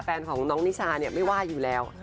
แฟนของน้องนิชาเนี่ยไม่ว่าอยู่แล้ว